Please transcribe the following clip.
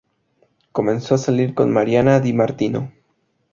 Comenzó a salir con Marianna Di Martino.